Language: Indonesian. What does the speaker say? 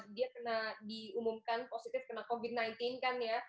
dia kena diumumkan positif kena covid sembilan belas kan ya